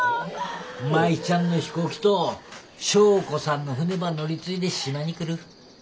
舞ちゃんの飛行機と祥子さんの船ば乗り継いで島に来る。